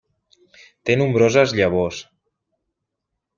Té nombroses llavors.